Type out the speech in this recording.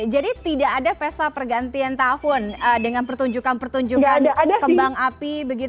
oke jadi tidak ada pesta pergantian tahun dengan pertunjukan pertunjukan kembang api begitu